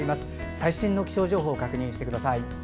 最新の気象情報を確認してください。